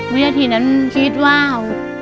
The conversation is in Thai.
วิทยาทีนั้นคิดว่า